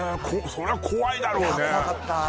そりゃ怖いだろうねいやー